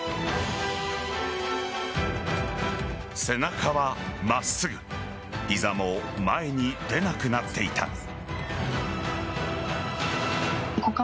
背中は真っすぐ膝も前に出なくなっていた。